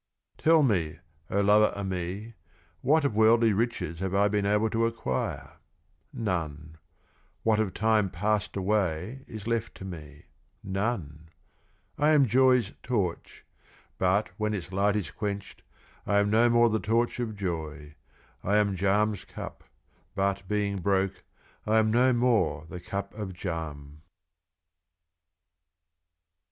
(102) Tell me, o Lover o' me, what of worldly Riches have I been able to acquire ? None. What of Time past away is left to me .? None. I am Joy's Torch ; but, when its Light is quenched, I am no more the Torch of Joy. I am Jam's Cup; but, being broke, I am no more the Cup of Jam.